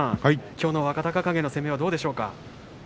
きょうの若隆景の攻めはどうでしょうか。